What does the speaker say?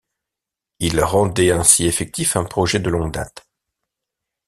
Ils rendaient ainsi effectif un projet de longue date.